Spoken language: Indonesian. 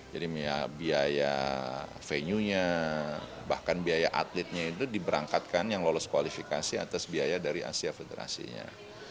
jadi biaya venue nya bahkan biaya atletnya itu diberangkatkan yang lolos kualifikasi atas biaya dari asia federasinya